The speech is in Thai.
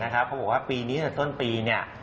เขาบอกว่าปีนี้ต้นปีเนี่ย